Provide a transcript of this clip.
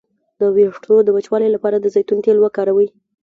د ویښتو د وچوالي لپاره د زیتون تېل وکاروئ